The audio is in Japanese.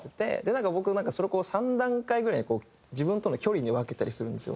なんか僕それをこう３段階ぐらいに自分との距離で分けたりするんですよ。